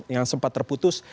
yang sempat terputus